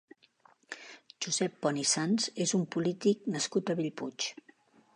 Josep Pont i Sans és un polític nascut a Bellpuig.